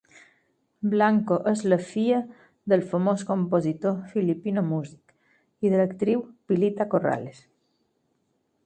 Blanco és la filla del famós compositor Filipino Music i de l'actriu Pilita Corrales.